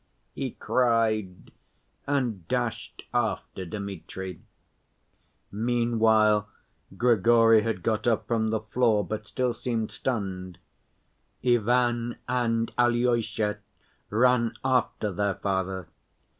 he cried, and dashed after Dmitri. Meanwhile Grigory had got up from the floor, but still seemed stunned. Ivan and Alyosha ran after their father.